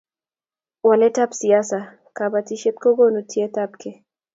walet ab siasa ak kabatishiet kokonu tiet ab gee